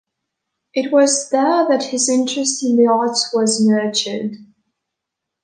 It was there that his interest in the arts was nurtured.